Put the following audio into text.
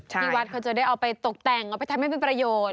ที่วัดเขาจะได้เอาไปตกแต่งเอาไปทำให้เป็นประโยชน์